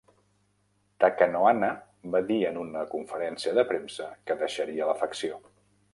Takanohana va dir en una conferència de premsa que deixaria la facció.